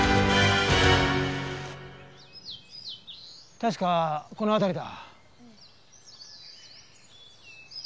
確かこの辺りだ。